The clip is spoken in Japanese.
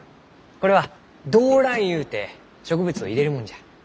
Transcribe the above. これは胴乱ゆうて植物を入れるもんじゃ。